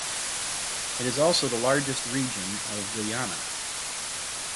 It is also the largest region of Guyana.